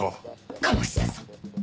鴨志田さん